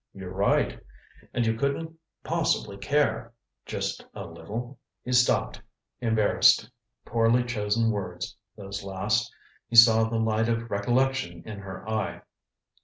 You're right. And you couldn't possibly care just a little " He stopped, embarrassed. Poorly chosen words, those last. He saw the light of recollection in her eye.